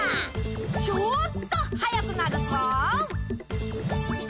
ちょっと速くなるぞ。